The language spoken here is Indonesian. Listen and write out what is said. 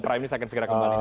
saya akan segera kembali